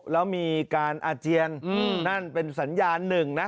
แล้วมีการอาเจียนนั่นเป็นสัญญาณหนึ่งนะ